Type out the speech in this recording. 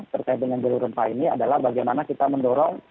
terkait dengan jalur rempah ini adalah bagaimana kita mendorong